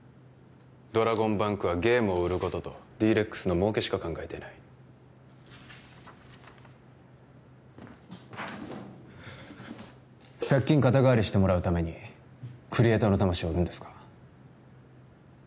ドラゴンバンクはゲームを売ることとＤ−ＲＥＸの儲けしか考えていない借金肩代わりしてもらうためにクリエイターの魂を売るんですか？